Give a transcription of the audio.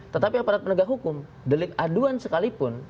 tetapi aparat penegak hukum delik aduan sekalipun